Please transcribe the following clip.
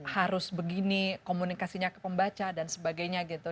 harus begini komunikasinya ke pembaca dan sebagainya gitu